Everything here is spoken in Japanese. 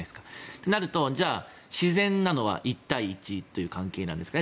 となるとじゃあ、自然なのは１対１という関係なんですかね